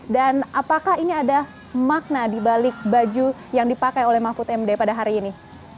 dan apakah ini ada makna di balik baju yang dipakai oleh mahfud md pada hari ini